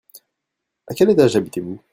À quel étage habitez-vous ?